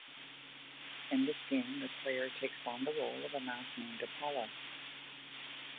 In this game, the player takes on the role of a mouse named Apollo.